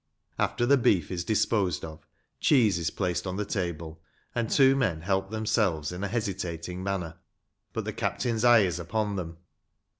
After the beef is disposed of, cheese is placed on the table, and two men help themselves in a hesitating manner. But the captain's eye is upon them.